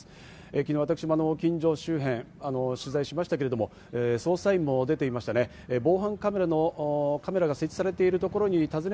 昨日、私も近所、周辺を取材しましたが、捜査員も出ていましたね。